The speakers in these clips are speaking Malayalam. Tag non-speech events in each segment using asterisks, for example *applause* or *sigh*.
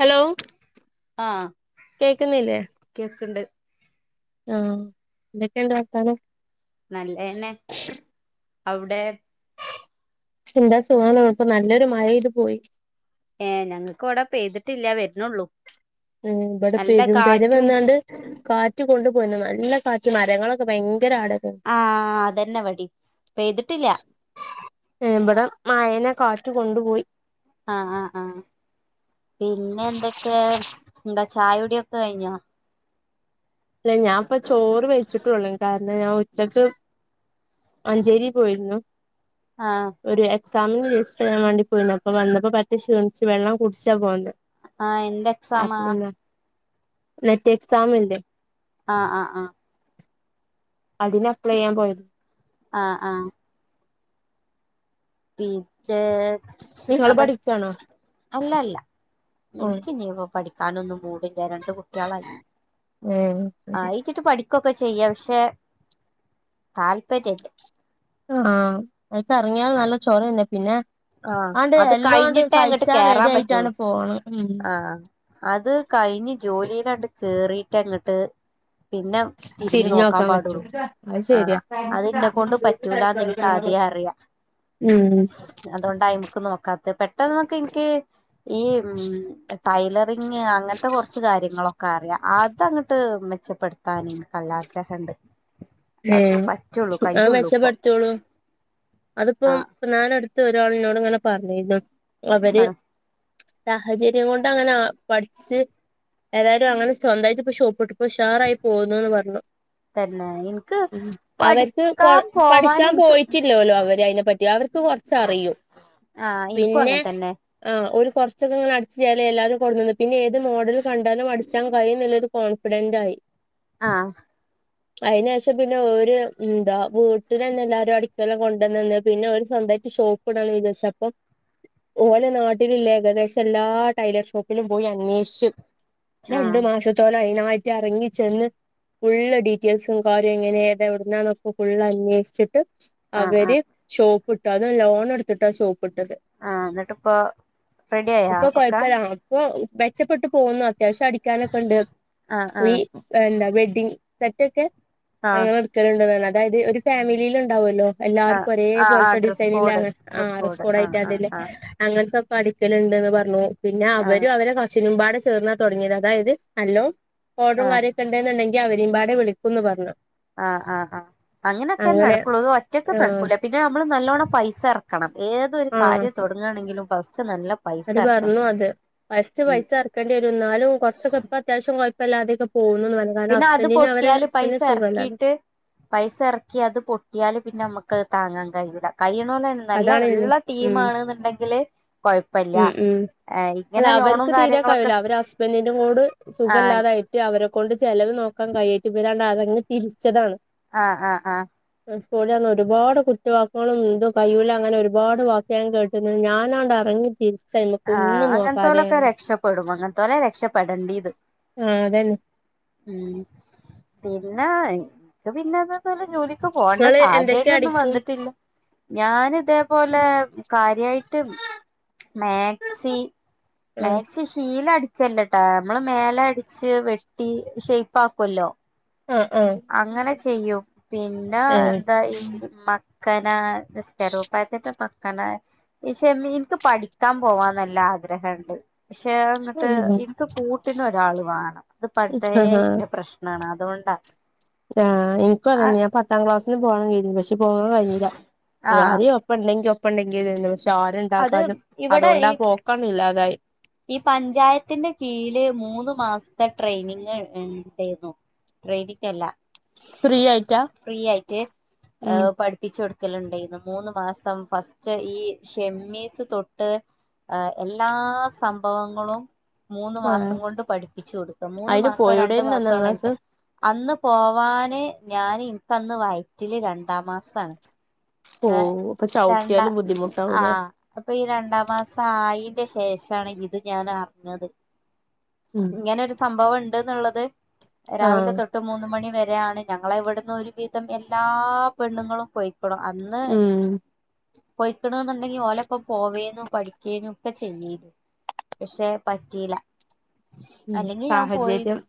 ഹലോ കേക്കുന്നില്ലേ കേക്ണ്ട് ആഹ് എന്തൊക്കെണ്ട് വർത്താനം? നല്ലതന്നെ അവ്ടെ എന്താ സുഖാണ്. ന്ക്ക് നല്ലൊരു മഴെയ്ത് പോയി ഏഹ് ഞങ്ങക്ക് ഇവിടെ പെയ്തിട്ടില്ല വര്നൊള്ളൂ ഏഹ്. ഇവടെ പെരും പെരവെന്നാണ്ട് കാറ്റ് കൊണ്ടു പോയിന്ന് നല്ല കാറ്റ് മരങ്ങളൊക്കെ ഭയങ്കര ആടാ ആഹ് അതന്നെ വടിം. പെയ്തിട്ടില്ല ഏഹ്. ഇബടെ മയനെ കാറ്റ് കൊണ്ടുപോയി ആഹ് ആഹ് ആഹ് പിന്നെ എന്തൊക്കെ, എന്താ ചായ കുടിയൊക്കെ കഴിഞ്ഞോ? ല്ല ഞാൻ ഇപ്പ ചോറ് വെയ്ച്ചിട്ടൊള്ളു. കാരണം ഞാൻ ഉച്ചക്ക് മഞ്ചേരി പോയിര്ന്നു ആഹ് ഒരു എക്സാമിന് രജിസ്റ്റർ ചെയ്യാൻ വേണ്ടി പോയിന്നു അപ്പൊ വന്നപ്പം പറ്റേ ക്ഷീണിച്ചു. വെള്ളം കുടിച്ചാ പോന്നെ. ആഹ് എന്ത് അപ്പ എക്സാമാ പിന്നെ. നെറ്റ് എക്സാം ല്ലേ ആഹ് ആഹ് ആഹ് അതിന് അപ്ലൈ ചെയ്യാൻ പോയത് ആഹ് ആഹ് പിന്നെ നിങ്ങള് അപ്പൊ. പഠിക്കാണോ അല്ലല്ല. ഉം ഇൻക്ക് ഇഞ്ഞിപ്പോ പഠി ക്കാനൊന്നും മൂടില്ല. രണ്ട് കുട്ട്യാളായി. ഉം ആയി ച്ചിട്ട് പഠിക്കുകൊക്കെ ചെയ്യ പക്ഷെ താല്പര്യല്ല ആഹ് അയിക്കെറങ്ങിയാ നല്ല ചൊറന്നെ. പിന്നെ ആഹ് ആണ്ട് അത് എല്ലതും ആണ്ട് കഴിഞ്ഞിട്ടേ അങ്ങട്ട് സയിച്ചാൻ റെഡി കേറാൻ പറ്റുള്ളൂ ആയിട്ടാണ്ട് പോണം. ഉം ആഹ് അത് കഴിഞ് ജോലിയിലണ്ട് കേറിീട്ട അങ്ങട്ട് പിന്നെ തിരിഞ്ഞു നോക്കാൻ തിരിഞ്ഞോക്കാൻ പറ്റോ പാടുള്ളൂ അത് ആ ശരിയാ അതിന്നേ കൊണ്ട് പറ്റൂലന്ന് എനക്ക് ആദ്യേ അറിയ ഉം അതുകൊണ്ടാ അയിമക്കൊന്നും വക്കാത്തെ. പെട്ടെന്ന് ഒക്കെ എനിക്ക് ഈ ഉം ടൈലറിങ് അങ്ങനത്തെ കുറച്ച് കാര്യങ്ങളോ ക്കറിയാം. അതങ്ങട്ട് മെച്ചപ്പെടുത്താൻ എനക്ക് നല്ല ആഗ്രഹണ്ട്. അതൊക്കെ ലേണു. പറ്റുള്ളൂ ആഹ് കയ്യുള്ളൂ ഇപ്പൊ മെച്ചപ്പെടുത്തിയോളൂ. അതിപ്പം ആഹ് ഞാനടുത്ത് ഒരാളിന്നോട് ഇങ്ങനെ പറഞ്ഞിരുന്നു. അവര് ആഹ് സാഹചര്യം കൊണ്ട് അങ്ങനെ പഠിച്ച് ഏതായാലും അങ്ങനെ സ്വന്തായിട്ട് ഇപ്പൊ ഷോപ്പിട്ടു. ഇപ്പൊ ഉഷാറായി പോകുന്നു എന്ന് പറഞ്ഞു. തന്നെ എനി ഉം അവര്ക്ക് കൊഴ പഠിക്കാൻ എനിക്ക് പോയിട്ടില്ലാലോ അവര് അതിനെ പറ്റി. അവർക്ക് കൊറച്ച് അറിയും. ആഹ് ഇനിക്കും അങ്ങനെ തന്നെ. ആഹ് ഒരു കുറച്ചൊക്കെ ഇങ്ങനെ അടിച്ച് കഴിഞ്ഞാല് എല്ലാരും കൊണ്ടന്നു തന്നു. പിന്നെ ഏത് മോഡൽ കണ്ടാലും അടിച്ചാൻ കഴിയും എന്നൊരു കോൺഫിഡന്റ് ആയി. ആഹ്. അയ്ന് ശേഷം പിന്നെ ഓര് എന്താ വീട്ടിലന്നെ എല്ലാരും അടിക്കാനെല്ലാം കൊണ്ടന്ന് തന്ന്. പിന്നെ ഓര് സ്വന്തമായിട്ട് ഷോ പ്പിടാന്ന് വിചാരിച്ച് അപ്പം ഓല് നാട്ടിലില്ലേ ഏകദേശം എല്ലാ ടൈലർ ഷോപ്പിലും പോയി അന്വേഷിച്ചു. രണ്ടു ആഹ് മാസത്തോളം അതിനായിട്ടെറങ്ങിച്ചെന്ന് ഫുള്ള് ഡീ റ്റെയ്ൽസും കാര്യം എങ്ങനേ ഏതാ എവിടുന്നാന്നൊക്കെ ഫുള്ള് അന്വേഷിച്ചിട്ട് ആഹ് ആഹ് അവര് ഷോപ്പ് ഇട്ടു. അതും ലോൺ എടുത്തിട്ടാ ഷോപ്പ് ഇട്ടത്. ആഹ് എന്നിട്ടിപ്പോ റെഡി ആയാ ഇപ്പൊ ഒക്കെ കുഴപ്പില്ല. ഇപ്പൊ മെച്ചപ്പെട്ട് പോന്നു. അത്യാവശ്യം അടി ക്കാനൊക്കെണ്ട്. ആഹ് ഈ ആഹ് എന്താ വെഡ്ഡിങ്ങ് സെറ്റൊക്കെ ആഹ് അങ്ങനെ എടു ക്കലുണ്ട് പറഞ്ഞ്. അതായത് ഒരു ഫാമിലിയിൽ ഉണ്ടാവല്ലോ ആഹ് എല്ലാവർക്കും ഒരേ ആഹ് ആഹ് പോലത്തെ ഡ്രസ് ഡിസൈനിലെ കോഡ് ആഹ് ഡ്രസ് കോഡ് ആഹ് ആഹ് കോഡായിട്ടാല്ലെലെ ആഹ് അങ്ങനത്തൊക്കെ അടിക്കലുണ്ട്ന്ന് പറഞ്ഞു. പിന്നെ ആഹ് അവരും അവരുടെ കസ് സ്സിനും പാടെ ചേർന്നാ തുടങ്ങിയത്. അതായത് നല്ലോം ഓർഡറും ആഹ് കാര്യൊക്കെ ഉണ്ടെന്നുണ്ടെങ്കി അവരേം പാടെ വിളിക്കുന്ന് പറഞ്ഞ്. ആഹ് ആഹ് ആഹ്. അങ്ങനെയൊക്കെ നടക്കുള്ളൂ. അത് ഒറ്റയ്ക്ക് നടക്കൂല. പിന്നെ നമ്മള് നല്ലോണം പൈസ ഇറക്കണം. ഏതൊരു ആ കാര്യം തുട ങ്ങാണെങ്കിലും ഫസ്റ്റ് നല്ല പൈസ അത് ഇറക്കണം പറഞ്ഞു അത്. ഫസ്റ്റ് ഉം പൈസ ഇറ ക്കേണ്ടി വരും. എന്നാലും കുറച്ചൊക്കെ ഇപ്പ അത്യാവശ്യം കുഴപ്പമില്ലാതെയൊക്കെ പോകുന്നെന്ന് പറഞ്ഞ് പിന്നെ അത് പൊട്ടിയാലും പൈസ ഇറക്കിയിട്ട് പൈസ ഇറക്കി അത് പൊട്ടിയാല് പിന്നെ നമുക്കത് താങ്ങാൻ കഴിയൂല. കഴിയണ പോലന്നെ നല്ല അതാണ് ഉള്ള ഉം ടീമാണ് എന്നുണ്ടെങ്കില് കൊഴപ്പല്ല. ഉം ഉം അല്ല ഇങ്ങനെ ലോണും അവർക്ക് തീരെ കാര്യങ്ങളൊക്കെ കഴിവില്ല. അവര് ഹസ്ബൻറിൻ്റെ കൂട് സുഖം ആഹ് ഇല്ലാതായി ട്ട് അവരെ കൊണ്ട് ചെലവ് നോക്കാൻ കഴിയാഞ്ഞിട്ട് ഇവരാണ്ട് അറങ്ങ് തിരിച്ചതാണ്. ആഹ് ആഹ് ആഹ്. സ്കൂളിൽ വന്ന് ഒരുപാട് കുത്തുവാക്കുകളും എന്തും കയ്യൂല അങ്ങനെ ഒരുപാട് വാക്ക് ഞാൻ കേട്ടുന്ന്. ഞാനാണ്ട് ഇറങ്ങിതിരി ആഹ് അങ്ങനെത്തോലൊക്കെ രക്ഷപ്പെടും. അങ്ങനത്തോലെ രക്ഷപ്പെടെണ്ടീത്. ആഹ് അതന്നെ. ഉം പിന്നെ എനിക്ക് പിന്നെ അതൊക്കല്ല ജോലി ക്കു പോകണ്ട ഇങ്ങള് എന്തൊക്കെ സാഹചര്യം ഒന്നും അടിക്കും വന്നിട്ടില്ല. ഞാനിതേപോലെ കാര്യായിട്ട് മാക്സി ആ മാക്സി ഷീല അടി ച്ചല്ലെട്ടാ നമ്മള് മേലെ അടിച്ച് വെട്ടി ഷെയ്പ്പ് ആക്കുവല്ലോ. ആഹ് ആഹ് അങ്ങനെ ചെയ്യും പിന്നെ എന്താ ഈ മക്കനാ നിസ്കാര കുപ്പായത്തിൻ്റെ മ കാരണം ഷെ മീ ഈ എനിക്ക് പഠിക്കാൻ പോവാ നല്ല ആഗ്രഹണ്ട്. പക്ഷെ അതങ്ങട്ട് എനിക്ക് കൂട്ടിന് ഒരാൾ വേണം അത് പണ്ടേ ആഹാ ഇന്റെ പ്രശ്നം. ണ് അതുകൊണ്ടാ. ആഹ എനിക്കും അത ന്ന ഞാൻ പത്താം ക്ലാസ്സിന് പോകണം കരുതി നെ പക്ഷെ പോകൻ കഴിഞ്ഞില്ല ആഹ് ആരെയും ഒപ്പ ഒപ്പ ണ്ടെങ്കി ഒപ്പ ണ്ടെങ്കിന്നിന്ന് പക്ഷെ ആരും അത് ഉണ്ടാകാന്ന ഇവിടെ അതുകൊണ്ടാ ഈ പോക്കില്ലാതായി. ഈ പഞ്ചായത്തിന്റെ കീഴില് മൂന്ന് മാസത്തെ ട്രെയിനിങ് ഇണ്ടായിരുന്നു. ട്രെയിനിങ് അല്ല ഫ്രീ ആയിട്ടാ ഫ്രീ ആയിട്ട് ഉം പഠി പ്പിച് കൊടുക്കലുണ്ടെന്നി മൂന്ന് മാസം ഫസ്റ്റ് ഈ ഷെമ്മീസ് തൊട്ട് എല്ലാ സംഭവങ്ങളും മൂന്ന് ആഹ് മാസം കൊണ്ട് പഠിപ്പിച്ചു കൊടുക്ക മൂന്ന് അയിന് മാസം രണ്ടു പോയൂടേരുന്നോ ഞങ്ങൾക്ക് മാസാണെന്റെ. അന്ന് പോവാന് ഞാന് ഇനിക്ക് അന്ന് വായിറ്റില് രണ്ടാം മാസാണ്. ഓ അപ്പ രണ്ടാ ചൗട്ടിയാലും ബുദ്ധിമുട്ടാവും ലെ. ആഹ് അപ്പൊ ഈ രണ്ടാം മാസം ആയിന്റെ ശേഷാണ് ഇത് ഞാൻ അറിഞ്ഞത്. ഉം ഇങ്ങനൊരു സംഭവം ഉണ്ട് എന്നുള്ളത് രാവിലെ ആഹ് തൊട്ട് മൂന്ന് മണി വരെ യാണ് ഞങ്ങളെ ഇവിടുന്ന് ഒരു വിധം എല്ലാ പെണ്ണുങ്ങളും പോയിക്ക്ണു അന്ന്. ഉം പൊയിക്ണു ന്നുണ്ടെങ്കി ഓലൊപ്പം പോവേനു പഠിക്കേന്നും ഒക്കെ ചെയ്യേനു. പക്ഷെ പറ്റിയില്ല. ഉം അല്ലെങ്കിൽ ഞാൻ പോയിരുന്നു സാഹചര്യം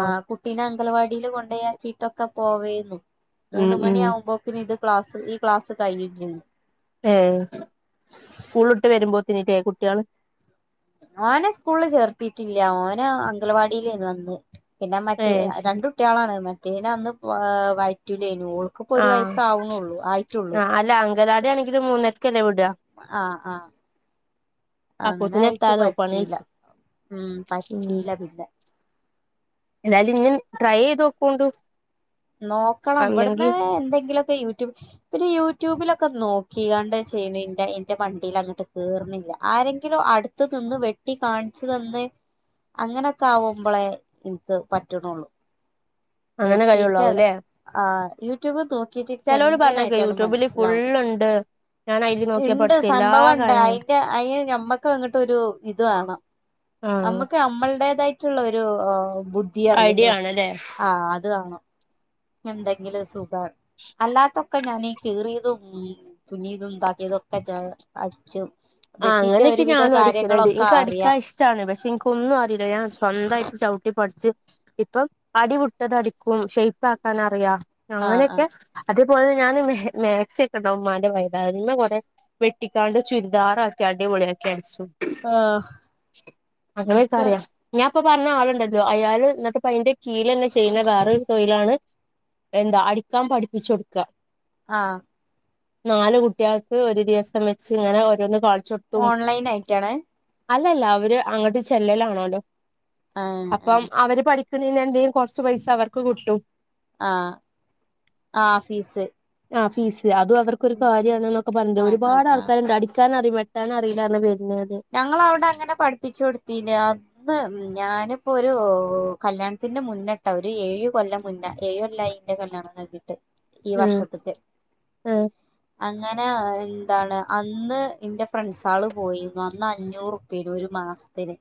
ആ കുട്ടീനെ അംഗൽവാടിൽ കൊണ്ടോ യാ കിട്ട്. ഒക്കെ പോവേന്നു ഉം മൂന്ന് ഉം മണിയ ആകുമ്പോക്കിന് ഇത് ക്ലാസ് ഈ ക്ലാസ്സ് കഴിയേരുന്നു. ഏ സ്കൂളിട്ട് വരുമ്പോത്തിന് കുട്ടിയാള് ഓനെ സ്കൂളില് ചേർത്തിട്ടില്ല ഓനെ അംഗലവാടിയിലാണ് അന്ന്. പിന്നെ മറ്റേ ഏഹ് ശരി രണ്ട് കുട്ടികളാണ് മറ്റേതിനെ അന്ന് വയറ്റിലേന്നു. ഇപ്പൊ ഒരു ആഹ് വയസ് ആവുന്നുള്ളൂ ആയിട്ടൊള്ളൂ. ആഹ് അല്ല അങ്കലാടി ആണെങ്കിലും മൂന്നരക്കല്ലേ വിട. ആഹ് ആഹ അപ്പോത്തിന് അങ്ങനായിട്ട് എത്താലോ പണി പറ്റില്ല കഴിച്ച് ഉം പറ്റില്ല പിന്നെ. എതായാലും ഇഞ്ഞും ട്രൈ ചെയ്ത് നോ കോണ്ടൊ. നോക്കണം ഇവിടുന്ന് എന്തെങ്കിലുമൊക്കെ യൂട്യൂബ്. പിന്നെ യൂട്യൂബിലൊക്കെ നോക്കി കാണ്ട് ചെയ്യ്ണ ഇന്റെ ഇന്റെ മണ്ടെ ൽ അങ്ങട്ട് കേറുന്നില്ല ആരെങ്കിലും അടു ത്ത് നിന്ന് വെട്ടി കാണിച്ചു തന്ന് അങ്ങനെയൊക്കെ ആകുമ്പോളേ ഇനിക്ക് പറ്റണൊള്ളൂ. അങ്ങനെ കഴിവുള്ളാവൂല്ലേ? ആ യൂട്യൂബ് നോക്കിട്ടി നിക്ക് പറഞ്ഞേക്കാ എങ്ങനായിട്ടാണ് യൂട്യൂബില് മനസ്സിലാവുന്നില്ല. ഫുള്ളുണ്ട് ഞാൻ അയില് നോക്കിയാ ഇണ്ട് പഠിച്ച എല്ലാ സംഭവണ്ട് കാര്യങ്ങളും അയിന്റെ അയിന് ഞമ്മക്ക് അങ്ങി ട്ടൊരു ഇത് വേണം. ആഹ് നമ്മക്ക് നമ്മളുടേതായിട്ടുള്ള ഒരു ബുദ്ധി പറയല്ലോ? അല്ലേ ആ അത് വാണം എന്തെങ്കിലും സുഖാണ് അല്ലാത്തൊക്കെ ഞാനീ കീറിയതും തുനിയതും താക്കിയതും ഒക്കെ അടിച്ചും. ആ അങ്ങനൊക്കെ ഞാനും അടിക്കുന്നുണ്ട് എനിക്ക് അടിക്കാൻ അറിയാം ഇഷ്ട ഇഷ്ടാണ് പക്ഷെ എനിക്കൊന്നും അറിയില്ല ഞാൻ സ്വന്തമായിട്ട് ചവിട്ടി പഠിച്ച് ഇപ്പം അടി വിട്ടത് അടിക്കും ഷെയ്പ്പാക്കാൻ അറിയാം അങ്ങനെയൊക്കെ ആഹ് അതേപോലെ ഞാൻ മാക്സിയൊക്കെ ഉണ്ട് ഉമ്മാന്റെ പ യേത് കൊറെ വെട്ടിക്കാണ്ട് ചുരുദാറൊക്കെ ദാറാക്കി അടി പൊളിയാക്കി അടിച്ചും ആഹ് അങ്ങനൊക്കെ എനിക്ക് അറിയാ. ഞാൻ ഇപ്പൊ പറഞ്ഞ ആളുണ്ടല്ലോ അയാള് എന്നിട്ട്പ്പ അന്റെ കീയിലെന്നെ ചെയ്യുന്ന വേറൊരു തൊഴിലാണ് എന്താ അടിക്കാൻ പഠിപ്പിച്ചു കൊടുക്ക. ആഹ് നാല് കുട്ടികൾക്ക് ഒരു ദിവസം വെച്ച് ഇങ്ങനെ ഓരോന്ന് കാണിച്ചൊട്ക്ക. ഓൺലൈൻ ആയിട്ടാണ് അല്ലല്ല അവര് അങ്ങോട്ട് ചെല്ലലാണോലൊ ആഹ് അപ്പം ആഹ് അവര് പഠിക് പിന്നെ ഇഞ്ഞ് എന്തേലും കൊറച്ച് പൈസ അവർക്ക് കിട്ടും ആഹ് ആഹ് ഫീസ് ആഹ് ഫീസ് അതും അവർക്കൊരു കാര്യാണ്നൊക്കെ പറിണ്ട് ആഹ് ആഹ് ഒരുപാട് ആഹ് ആൾക്കാര്ണ്ട് അടി ക്കാനറിം വെട്ടാന് അറീലാന്നർണ് വെര്നോര് ഞങ്ങളവടെ അങ്ങനെ പഠിപ്പിച്ചു കൊടുത്തീന് ആ ബ് മ് ഞാന്പ്പൊ ഒരു കല്യാൺത്തിന്റെ മുന്നെട്ടതാ ഒര് ഏഴ് കൊല്ലം മുന്നെ ഏഴുകൊല്ലായി ഇന്റെ കല്യാണം കൈകീട്ട് ഈ ഉം വർഷത്ത്ക്ക് ഉം അങ്ങനെ അ ഇൻന്താണ് അന്ന് ഇന്റെ ഫ്രണ്ട്സാള് പോയി അന്ന് അഞ്ഞൂറുപ് വെരും ഒരു മാസത്തിന്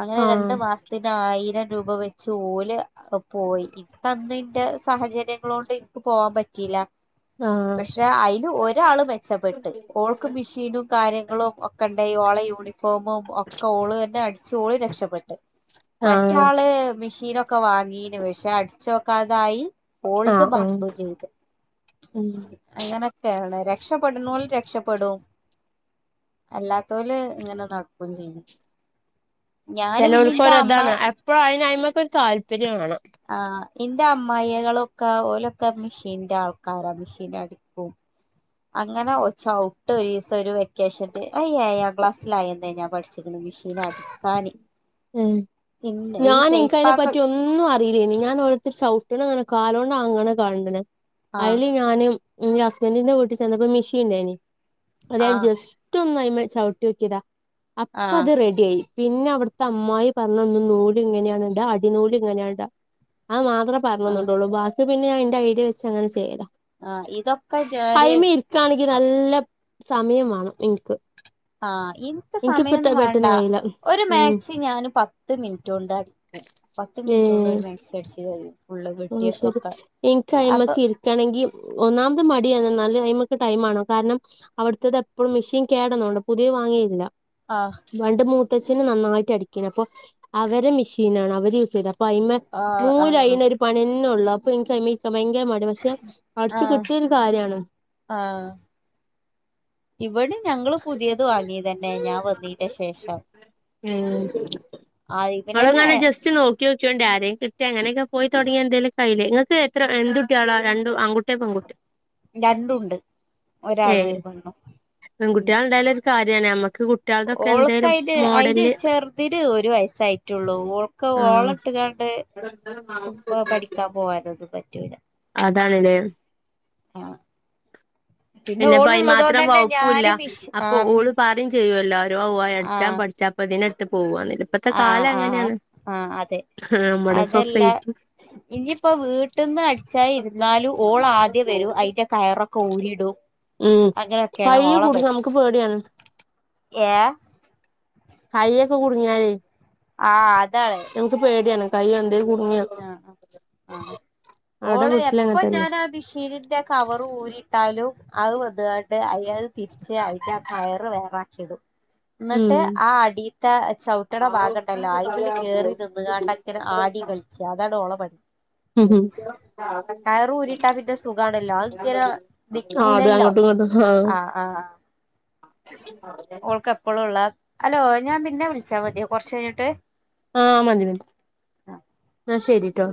അങ്ങനെ രണ്ട് ആഹ് മാസ് ത്തിന് ആയിരം രൂപ വെച്ച് ഓല് അപോയി ഇക്കഅന്ന് ഇന്റെ സാഹചര്യങ്ങളോണ്ട് ഇൻക്ക് പോവാൻ പറ്റ് റ്റില ആഹ് പക്ഷെ ഐല് ഒരാള് മെച്ചപ്പെട്ട് ഓൾ ഇക്ക് മ്ഷീനും കാര്യങ്ങളും ഒക് ഒക്കെണ്ട് ഓളെ യൂണിഫോമും ഒക്ക ഓള് എന്നെ അടിച്ചു ഓള് രക്ഷപ്പെട്ട് ആഹ് മറ്റാള് മെഷീനൊ ക്ക വാങ്ങീന് വെക്ഷെ അടിച്ചോക്കാതായി ഓൾത് ആഹ് ആഹ് മർന്നും ചെയ്ത് ഉം അങ്ങനെക്കേണ് രക്ഷപ്പെട്ണോൽ രക്ഷപ്പെടും അല്ലാ ത്തോല് ഇങ്ങനെ നട്ക്കും ചെയും ചെലോൽക് അമ്മ ഒര്താണ് എപ്പൊ ഐന് ഐമക്കൊരു താല്പര്യംവാണം ആഹ് ഇന്റെ അമ്മായെകളൊക്കെ ഓലൊക്കെ മെഷീന്റെ ആൾക്കാരാ മെഷീനടി അങ്ങനെ ഒര് ചൗട്ട് ഒരീസം ഒരു വെക്കേഷൻല് ഐഏയാം ക്ലാസ്സ്ലായെന്നെ ഞാൻ പഠിച്ച്ക്ക്ണ് മ്ഷീനടി പാനി ഉം ഞാന് ഇൻക്ക ഷെയ്പ്പാക്ക ഐനെപ്പറ്റി ഒ ന്നും അറീലേന് ഞാൻ ഓരോര്ത്തര് ചൗട്ട്ണ് ഇങ്ങനെ കാലോണ്ട് ആങ്ങ്ണെ കാണ്ട്ണ് ആഹ് ഐല് ഞാനും ഇന്റെ ഹസ്ബന്റിന്റെ വീട്ടിൽ ചെന്നപ്പൊ മ്ഷീൻ ഇണ്ടായ്ന് അത് ഞാൻ ആഹ് ജെസ് റ്റ് ഒന്ന് ഐമെ ചൗട്ട്യോക്കേതാ അപ്പ ആഹ് അത് റെഡിയായി പിന്നെ അവ്ട് ത്തെ അമ്മായി പർണന്നു നൂല് ഇങ്ങനെയാണ് ഇടാ അടി നൂല് ഇങ്ങനെയാട അത് മാത്രം ആഹ് പർണന്ന്ണ്ടൊള്ളൂ ബാക്കി പിന്നെ ഞാൻ ഇന്റെ ഐഡിയ വെച്ച് അങ്ങനെ ചെയ്യലാ ആഹ് ഇതൊക്കെ ഞാന് ഐമെ ഇരിക്കാണെങ്കി നല്ലപ് സമയം വാണം ഇൻക്ക് ആഹ് ഇൻക്ക് സമയൊന്നും വാണ്ട കഴിയില്ല ഒരു ഉം മാക്സി ഞാന് പത്ത് മിൻറ്റോണ്ട് അടിക്കും പത്ത് മിൻറ്റോണ്ട് ഒരു മക്സി അടിച്ച് കഴിയും ഫുളള് വെ അത്ശെരി എൻക്ക് ഐമക്കി ര്ക്കണെങ്കി ഒന്നാമത് മടിയാണ് ഇന്നാല് ഐമക്ക് ടൈംമാണം കാരണം അവട്ത്തത് എപ്പഴും മെഷീൻ കേടന്നോണ്ട് പുതിയത് വാങ്ങിയേ ചെയ്തില ആഹ് പണ്ട് മൂത്തച്ഛന് നന്നായിട്ട് അടിക്കെനു അപ്പൊ അവരെ മിഷീനാണ് അവര് യൂസ് ചെയ്തതാ ഇപ്പൈമെ ആഹ് നൂൽ ആഹ് ഐനൊരു പണ്യന്നെ ഒള്ളൂ അപ്പൊ ഇൻക്ക് ഐമ്മെരിക്കാൻ ഭയങ്കര മടി പക്ഷെ അടിച്ച് ആഹ് കിട്ടിയാ ഒരു കാര്യാണ് ആഹ് ഇവടിം ഞങ്ങള് പുതിയത് വാങ്ങിയതെന്നെ ഞാൻ വെർതെര്ന്ന് ഏഹ് ആഹ് ഇതിലന്നെ ഇങ്ങളെങ്ങാനെ ജസ്റ്റ് നോക് ക്യോക്കോണ്ട് ആരേങ്കി കിട്ടാ അങ്ങനെയെക്കെ പോയി താെടങ്ങിയാ എന്തേലും കാഴിലെ നിങ്ങൾക്ക് എത്ര എന്തുട്ടിയേളാ രണ്ടും ആങ്കു രണ്ടുണ്ട് ഒരാണും ഒര്പെണ്ണും പെങ്കുട്ട്യേള് ഇണ്ടായാലെ ഒര്കാര്യാണ് അമ്മക്ക് കുട്ട്യ ഓൾക്കൈന് ഐന് ചെർതിന് ഒരു വയസ്സായിട്ടാെള്ളൂ ഓൾക്ക് ഓളെ ഇട്ട്കാണ്ട് എടോ ഇന്നെലെ മ പുപ്പൊപഠിക്കാൻ പോകാനാെന്നും പറ്റൂല അതാണ്ലേ ഏള പിന്നെപ്പൈ മാത്രം വകുപ്പൂല്ല ഞാന് മിഷ് അപ്പൊ ആഹ് മി ഓള് പറിം ചെയ്യാെല്ലാരും പോ അടിച്ചാ ആഹ് പഠിച്ചാൽ പതിനെട്ട് പോവാ ഇപ്പത്തെ ആഹ് കാലം ആഹ് അങ്ങനെയാണ്. ആഹ് അതെ നമ്മടെ അതല്ല സൊസൈറ്റി ഇനിയിപ്പോ വീട്ടിന്ന് അടിച്ചാനായി ഇരുന്നാലും, ഓൾ ആദ്യം വരും. അയ്ന്റെ കയറൊക്കെ ഊരിടും ഉം കൈ കുടുങ്ങും നമുക്ക് പേടിയാണ് എഹ് കൈയൊക്കെ കുടുങ്ങിയാല്. ആഹ് അതാണ്. നമക്ക് പേടിയാണ് കയ്യ എന്തേ കുടുങ്ങിയ ആഹ് ആഹ് ആഹ് അവിടെ ഓള് വീട്ടിലങ്ങെ എപ്പൊ തന്നെ ഞാൻ അത് ശീലിറ്റ കവർ ഊരിട്ടാലും അഹ് വന്നിട്ട് അയൽ അത് തിരിച്ചി ആ കയറ് വേറാക്കിടും *inaudible* എന്നിട്ട് ആ അടിലത്തെ ചവിട്ടണ ഭാഗം ഉണ്ടല്ലോ, അയിമല് കേറി നിന്നുകാണ്ട ആടി കളിച്ച. അതാണ് ഓള പണി ഉം ആഹ് കയറ് ഊരിയിട്ടാ പിന്നെ സുഖാണല്ലോ അത് ഇങ്ങനെ അത് നിക്കൂലല്ലോ അങ്ങോട്ടും ഇങ്ങോട്ടും ആഹ്. ഓൾക്ക് എപ്പോഴുംള്ള ഹലോ ഞാൻ പിന്നെ വിളിച്ചാൽ മതിയാ കുറച്ച് കഴിഞ്ഞിട്ട് ആഹ് മതി മതി. ആ ഇന്നാ ശരിട്ടോ